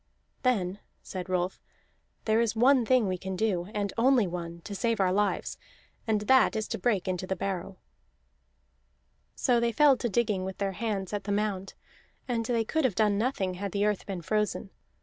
"Then," said Rolf, "there is one thing we can do, and only one, to save our lives; and that is to break into the barrow." So they fell to digging with their hands at the mound, and they could have done nothing had the earth been frozen.